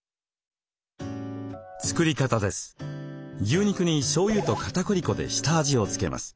牛肉にしょうゆとかたくり粉で下味を付けます。